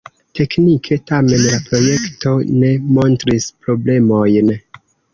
Teknike tamen la projekto ne montris problemojn.